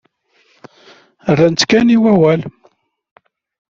Rran-tt kan i wawal.